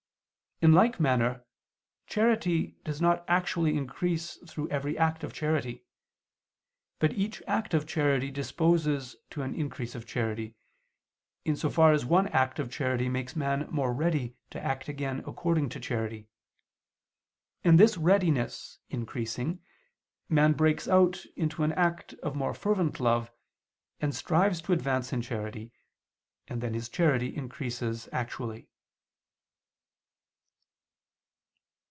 In like manner charity does not actually increase through every act of charity, but each act of charity disposes to an increase of charity, in so far as one act of charity makes man more ready to act again according to charity, and this readiness increasing, man breaks out into an act of more fervent love, and strives to advance in charity, and then his charity increases actually.